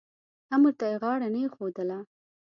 امر ته یې غاړه نه ایښودله.